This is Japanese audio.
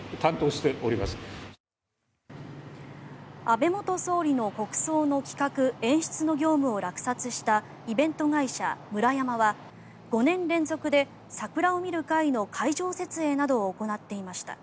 安倍元総理の国葬の企画・演出の業務を落札したイベント会社、ムラヤマは５年連続で桜を見る会の会場設営などを行っていました。